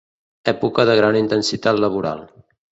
Època de gran intensitat laboral.